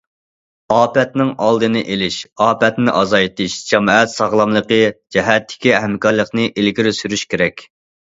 ئاپەتنىڭ ئالدىنى ئېلىش، ئاپەتنى ئازايتىش، جامائەت ساغلاملىقى جەھەتتىكى ھەمكارلىقنى ئىلگىرى سۈرۈش كېرەك.